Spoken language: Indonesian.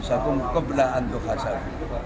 usahakun keberahan untuk hasab